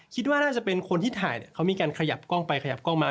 คิดว่าน่าจะเป็นคนที่ถ่ายเขามีการขยับกล้องไปขยับกล้องมา